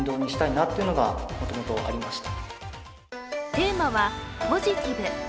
テーマは「ポジティブ」。